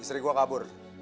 istri gue kabur